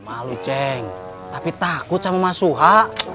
malu ceng tapi takut sama mas suha